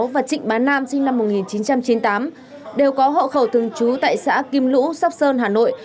và trịnh bá nam sinh năm một nghìn chín trăm chín mươi tám đều có hộ khẩu thường trú tại xã kim lũ sóc sơn hà nội